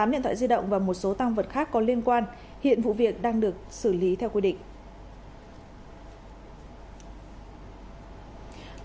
tám điện thoại di động và một số tăng vật khác có liên quan hiện vụ việc đang được xử lý theo quy định